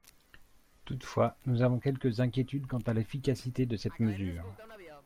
Toutefois, nous avons quelques inquiétudes quant à l’efficacité de cette mesure.